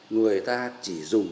người ta chỉ dùng